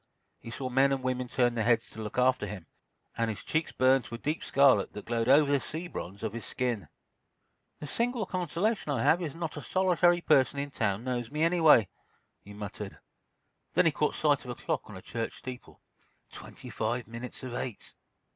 He saw men and women turn their heads to look after him, and his cheeks burned to a deep scarlet that glowed over the sea bronze of his skin. "The single consolation I have is that not a solitary person in town knows me, anyway," he muttered. Then he caught sight of a clock on a church steeple—twenty five minutes of eight.